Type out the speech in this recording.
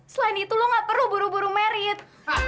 selain itu lo gak perlu buru buru merit